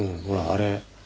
ほらあれ。